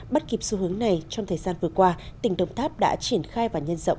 bắt kịp xu hướng này trong thời gian vừa qua tỉnh đồng tháp đã triển khai và nhân rộng